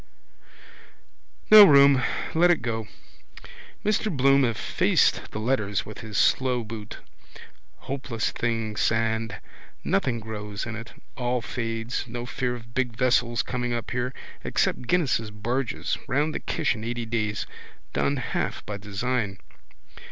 No room. Let it go. Mr Bloom effaced the letters with his slow boot. Hopeless thing sand. Nothing grows in it. All fades. No fear of big vessels coming up here. Except Guinness's barges. Round the Kish in eighty days. Done half by design.